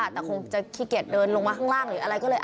แต่คงจะขี้เกียจเดินลงมาข้างล่างหรืออะไรก็เลย